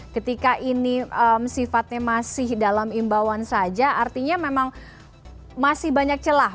ketika ini sifatnya masih dalam imbauan saja artinya memang masih banyak celah